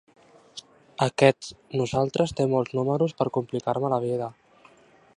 Aquest nosaltres té molts números per complicar-me la vida.